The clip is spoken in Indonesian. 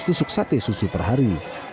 tusuk sate susu per hari